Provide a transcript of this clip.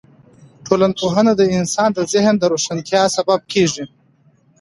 ټولنپوهنه د انسان د ذهن د روښانتیا سبب کیږي.